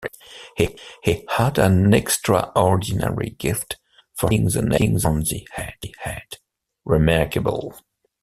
He had an extraordinary gift for hitting the nail on the head; remarkable.